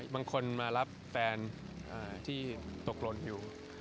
บางคนมารับแฟนที่ตกหล่นอยู่